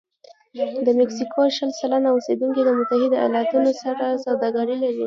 د مکسیکو شل سلنه اوسېدونکي له متحده ایالتونو سره سوداګري لري.